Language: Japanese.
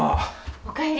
お帰り。